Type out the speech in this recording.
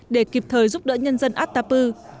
để kịp thời giúp đỡ nhân dân atapu